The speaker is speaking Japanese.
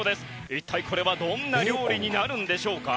一体これはどんな料理になるんでしょうか？